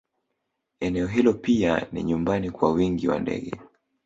Eneo hilo pia ni nyumbani kwa wingi wa ndege